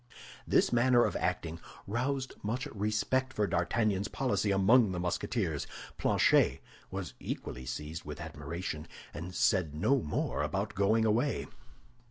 This manner of acting roused much respect for D'Artagnan's policy among the Musketeers. Planchet was equally seized with admiration, and said no more about going away.